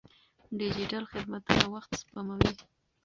ډیجیټل خدمتونه وخت سپموي.